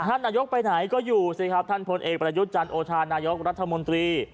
ท่านนายกไปไหนก็อยู่สิครับท่านพลเอกประยุทธ์จันทร์โอชานายกรัฐมนตรี